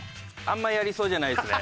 あんまやりそうじゃないですね。